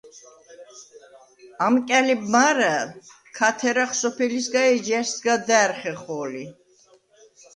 ამკა̈ლიბ მა̄რა̄̈ლ ქა თერახ სოფელისგა ი ეჯჲა̈რს სგა და̄̈რ ხეხო̄ლი.